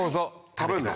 食べるの？